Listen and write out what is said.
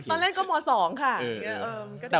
ตอนเล่นก็หมวน๒ค่ะ